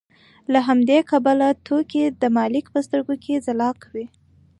له همدې کبله توکي د مالک په سترګو کې ځلا کوي